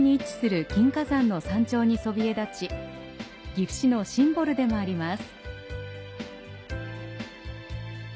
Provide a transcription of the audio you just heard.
岐阜市のシンボルでもあります。